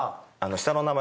下の名前